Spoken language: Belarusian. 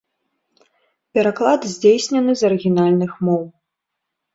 Пераклад здзейснены з арыгінальных моў.